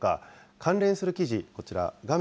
関連する記事、こちら画面